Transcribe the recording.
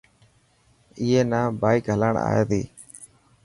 اي نا بائڪ هلائڻ آئي تي.